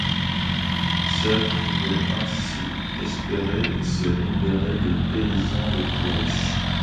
Seuls pouvaient ainsi espérer se libérer les paysans les plus riches.